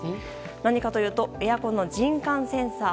何かというとエアコンの人感センサー。